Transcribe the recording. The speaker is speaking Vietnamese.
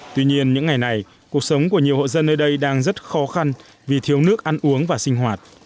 tuy nhiên những ngày này cuộc sống của nhiều hộ dân nơi đây đang rất khó khăn vì thiếu nước ăn uống và sinh hoạt